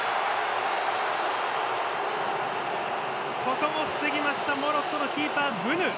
ここも防ぎましたモロッコのキーパー、ブヌ！